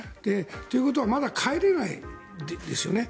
ということはまだ帰れないですよね。